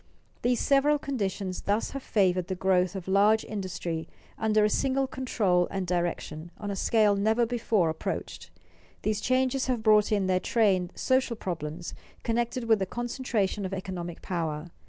These several conditions thus have favored the growth of large industry under a single control and direction, on a scale never before approached. These changes have brought in their train social problems connected with the concentration of economic power.